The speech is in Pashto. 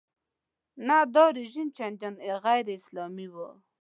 نه دا رژیم چندانې غیراسلامي و.